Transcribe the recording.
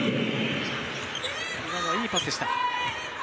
今のは、いいパスでした。